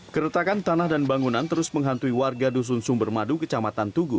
keretakan tanah dan bangunan terus menghantui warga dusun sumber madu kecamatan tugu